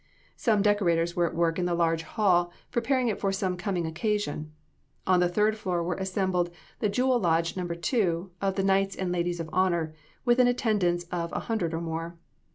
Some decorators were at work in the large hall, preparing it for some coming occasion. On the third floor were assembled the Jewel Lodge No. 2 of the Knights and Ladies of Honor, with an attendance of a hundred or more.